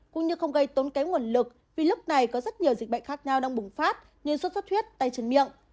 cũng như không gây tốn kế nguồn lực vì lúc này có rất nhiều dịch bệnh khác nhau đang bùng phát như suốt suốt huyết tay chân miệng